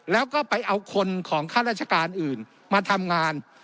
แล้วก็ไปเอาคนของข้าราชการอื่นมาทำงาน